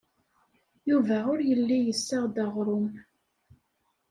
Yuba ur yelli yessaɣ-d aɣrum.